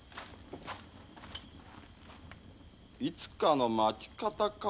いつかの町方か。